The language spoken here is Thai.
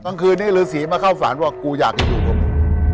กลางคืนนี้ฤษีมาเข้าฝันว่ากูอยากจะอยู่กับมึง